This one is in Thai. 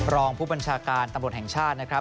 รองผู้บัญชาการตำรวจแห่งชาตินะครับ